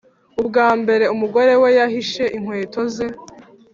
Ubwa mbere umugore we yahishe inkweto ze